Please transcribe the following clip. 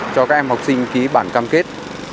cho các em học sinh ký bản cam kết